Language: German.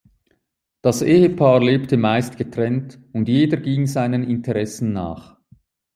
Das Ehepaar lebte meist getrennt und jeder ging seinen Interessen nach.